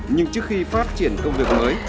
nhưng trước khi phát triển công việc mới